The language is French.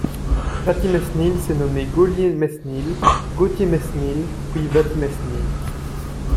Vatimesnil s'est nommé Gaulier-Mesnil, Gautier-Mesnil puis Vatimesnil.